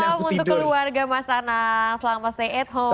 salam untuk keluarga mas anang selamat stay at home